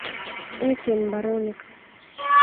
Echen mbaronik